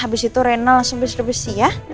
abis itu renal langsung bersih bersih ya